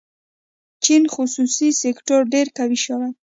چین خصوصي سکتور ډېر قوي شوی.